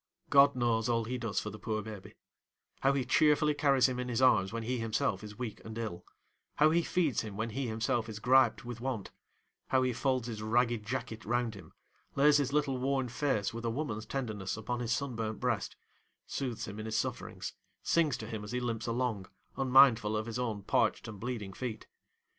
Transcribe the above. God knows all he does for the poor baby; how he cheerfully carries him in his arms when he himself is weak and ill; how he feeds him when he himself is griped with want; how he folds his ragged jacket round him, lays his little worn face with a woman's tenderness upon his sunburnt breast, soothes him in his sufferings, sings to him as he limps along, unmindful of his own parched and bleeding feet.